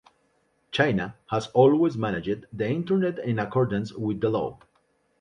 China has always managed the Internet in accordance with the law.